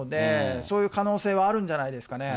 そういう可能性はあるんじゃないですかね。